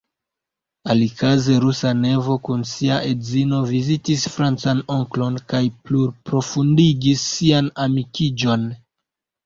Alikaze rusa nevo kun sia edzino vizitis francan onklon kaj pluprofondigis sian amikiĝon.